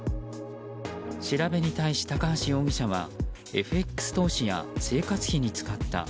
調べに対し、高橋容疑者はＦＸ投資や生活費に使った。